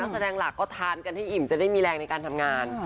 แสดงหลักก็ทานกันให้อิ่มจะได้มีแรงในการทำงาน